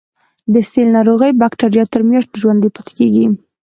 د سل ناروغۍ بکټریا تر میاشتو ژوندي پاتې کیږي.